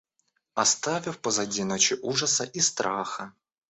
Оставив позади ночи ужаса и страха,.